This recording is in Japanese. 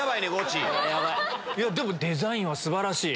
デザインは素晴らしい！